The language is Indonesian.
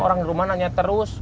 orang di rumah nanya terus